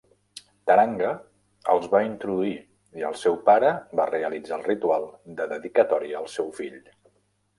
Taranga els va introduir i el seu pare va realitzar el ritual de dedicatòria al seu fill.